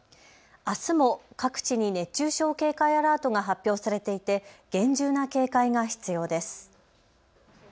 あすも各地に熱中症警戒アラートが発表されていて厳重な警戒が必要です。